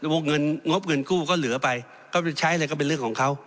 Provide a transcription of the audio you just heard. วงเงินงบเงินกู้ก็เหลือไปก็ไปใช้อะไรก็เป็นเรื่องของเขา